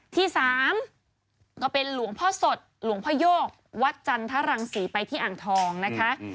ที่สามก็เป็นหลวงพ่อสดหลวงพ่อโยกวัดจันทรังศรีไปที่อ่างทองนะคะ